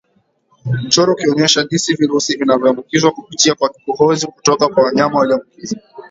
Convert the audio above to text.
Mchoro Ukionyesha jinsi virusi vinavyoambukizwa kupitia kwa kikohozi kutoka kwa wanyama walioambukizwa